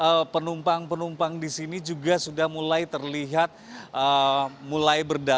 dan memang penumpang penumpang di sini juga sudah mulai terlihat mulai berdatang